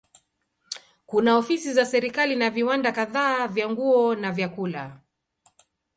Kuna ofisi za serikali na viwanda kadhaa vya nguo na vyakula.